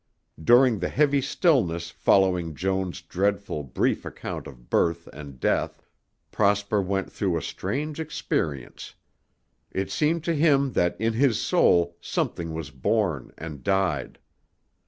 During the heavy stillness following Joan's dreadful, brief account of birth and death, Prosper went through a strange experience. It seemed to him that in his soul something was born and died.